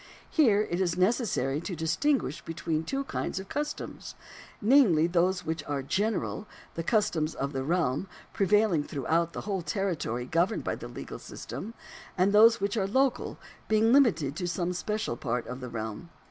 Here it is necessary to dis tinguish between two kinds of customs, namely, those which are general — the customs of the realm, prevailing throughout the whole territory governed by the legal system — and those which are local, being limited to some special part of the realm.